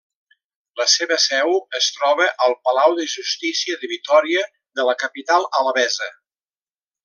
La seva seu es troba al Palau de Justícia de Vitòria de la capital alabesa.